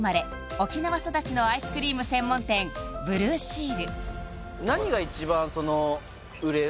沖縄育ちのアイスクリーム専門店ブルーシール